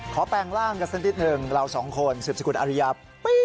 ขอแปลงร่างกับเส้นที่ถึงเรา๒คนสิบสกุลอริยับ